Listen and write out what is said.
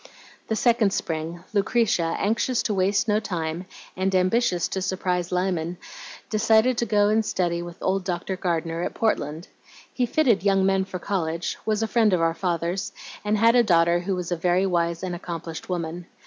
"The second spring, Lucretia, anxious to waste no time, and ambitious to surprise Lyman, decided to go and study with old Dr. Gardener at Portland. He fitted young men for college, was a friend of our father's, and had a daughter who was a very wise and accomplished woman.